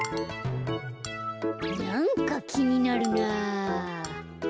なんかきになるなぁ。